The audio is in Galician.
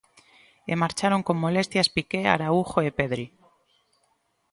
E marcharon con molestias Piqué, Araújo e Pedri.